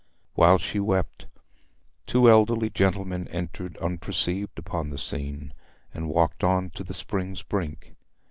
While she wept, two elderly gentlemen entered unperceived upon the scene, and walked on to the spring's brink.